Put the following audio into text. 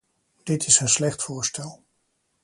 Dit is een slecht voorstel.